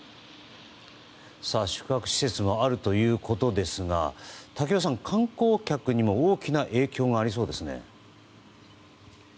宿泊施設もあるということですが瀧尾さん、観光客にも大きな影響がありそうですね。